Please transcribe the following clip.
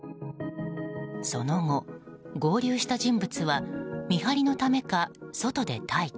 その後、合流した人物は見張りのためか外で待機。